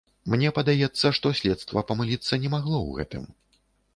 Мне падаецца, што следства памыліцца не магло ў гэтым.